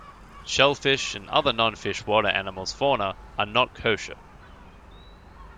Shellfish and other non-fish water animals fauna are not kosher.